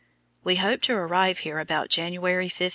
We hoped to arrive here about January 15.